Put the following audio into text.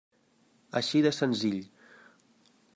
Així de senzill.